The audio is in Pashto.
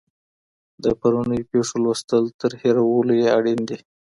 د پرونيو پېښو لوستل تر هېرولو يې اړين دي.